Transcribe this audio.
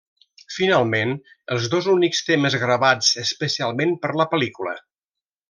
Finalment, els dos únics temes gravats especialment per a la pel·lícula.